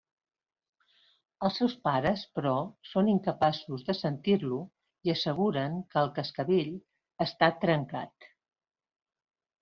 Els seus pares, però, són incapaços de sentir-lo i asseguren que el cascavell està trencat.